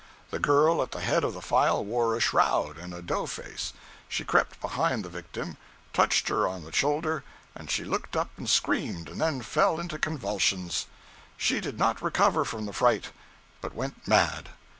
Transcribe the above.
The girl at the head of the file wore a shroud and a doughface, she crept behind the victim, touched her on the shoulder, and she looked up and screamed, and then fell into convulsions. She did not recover from the fright, but went mad.